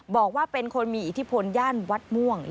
บอกว่าเป็นคนมีอิทธิพลย่านวัดม่วง